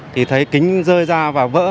thì thấy kính rơi ra và vỡ